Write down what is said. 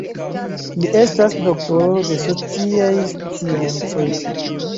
Li estas doktoro de sociaj sciencoj.